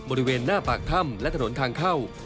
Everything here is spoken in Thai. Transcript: บริเวณหน้าปากถ้ำและถนนทางเข้า